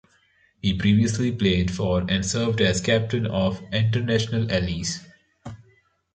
He previously played for and served as captain of International Allies.